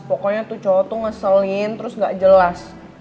pokoknya tuh cowok tuh ngeselin terus gak jelas